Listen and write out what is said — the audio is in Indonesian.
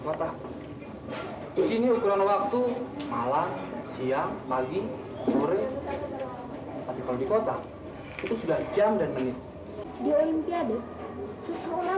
kota disini ukuran waktu malam siang pagi pagi kalau di kota itu sudah jam dan menit semisal